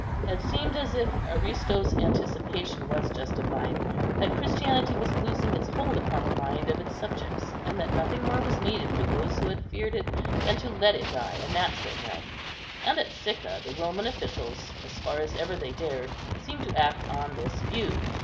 It seemed as if Aristo's anticipation was justified, that Christianity was losing its hold upon the mind of its subjects, and that nothing more was needed for those who had feared it, than to let it die a natural death. And at Sicca the Roman officials, as far as ever they dared, seemed to act on this view.